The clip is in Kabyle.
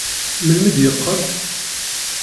Melmi d-yeqqel?